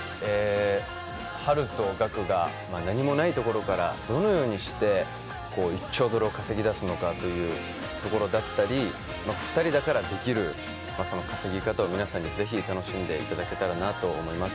ハルとガクが何もないとこからどのようにして１兆ドルを稼ぎ出すのかというところだったり２人だからできる、稼ぎ方を皆さんにぜひ楽しんでいただけたらなと思います。